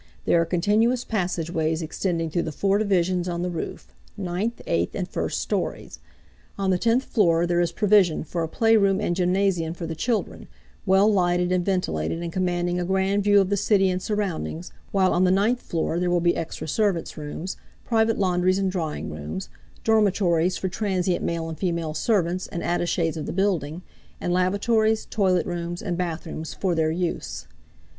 There are continuous passageways extending through the four divisions on the roof; ninth, eighth, and first stories. On the tenth floor there is provision for a play room and gymnasium for the children, well lighted and ventilated and commanding a grand view of the city and surroundings, while on the ninth floor there will be extra servants' rooms, private laundries and drying rooms, dormitories for transient male and female servants and attachés of the building, and lavatories, toilet rooms, and bathrooms for their use.